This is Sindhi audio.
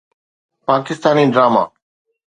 پاڪستاني ڊراما